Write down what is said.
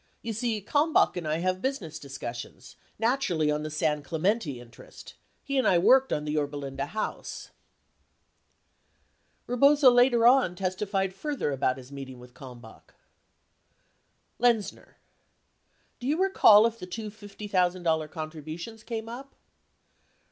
You see, Kalmbach and I have business discussions, naturally on the San Clemente interest. He and I worked on the Yorba Linda House . 37 Eebozo later on testified further about his meeting with Kalmbach : Lexzxer. Do you recall if the two $50,000 contributions came up?